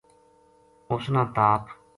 اس نا تاپ